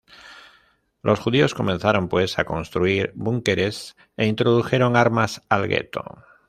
Los judíos comenzaron, pues, a construir búnkeres e introdujeron armas al gueto.